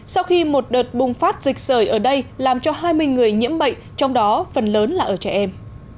sau khi một đợt bùng phát dịch sởi ở đây làm cho hai mươi người nhiễm bệnh trong đó phần lớn là ở trẻ em